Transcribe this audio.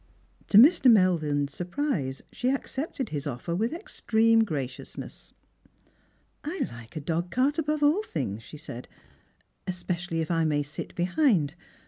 To Mr. Melvin's surprise, she accepted his offer with extreme graciousness. " I hke a dogcart above all things," she said, " especially if I may sit behind.